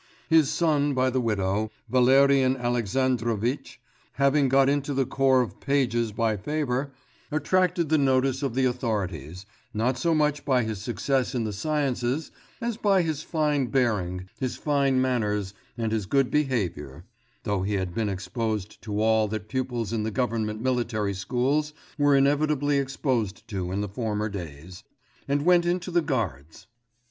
His son by the widow, Valerian Alexandrovitch, having got into the Corps of Pages by favour, attracted the notice of the authorities, not so much by his success in the sciences, as by his fine bearing, his fine manners, and his good behaviour (though he had been exposed to all that pupils in the government military schools were inevitably exposed to in former days) and went into the Guards.